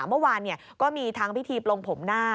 เมื่อวานก็มีทั้งพิธีปลงผมหน้า